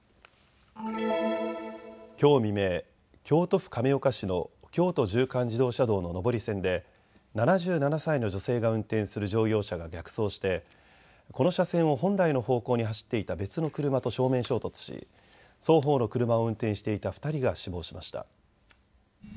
きょう未明、京都府亀岡市の京都縦貫自動車道の上り線で７７歳の女性が運転する乗用車が逆走してこの車線を本来の方向に走っていた別の車と正面衝突し双方の車を運転していた２人が死亡しました。